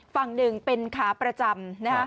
ฝั่งหนึ่งเป็นขาประจำ